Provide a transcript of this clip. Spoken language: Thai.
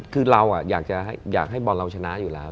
คือเราอยากให้บอลเราชนะอยู่แล้ว